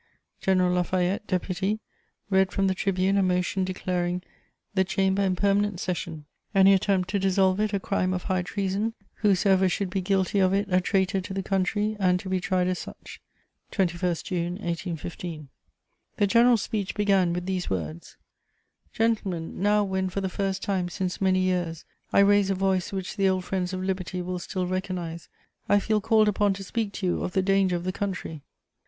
General La Fayette, deputy, read from the tribune a motion declaring "the Chamber in permanent session, any attempt to dissolve it a crime of high treason, whosoever should be guilty of it a traitor to the country and to be tried as such" (21 June 1815). The general's speech began with these words: "Gentlemen, now when, for the first time since many years, I raise a voice which the old friends of liberty will still recognise, I feel called upon to speak to you of the danger of the country.